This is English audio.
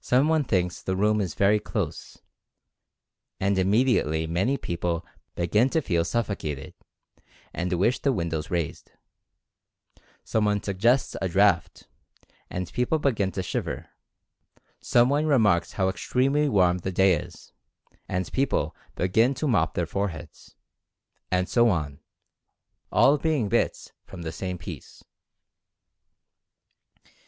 Some one thinks the room is very close, and immediately many people begin to feel suffocated, and wish the windows raised. Someone suggests a draft, and people begin to shiver. Some one remarks how extremely warm the day is, and people begin to mop their foreheads. And so on — all being bits from the same piece.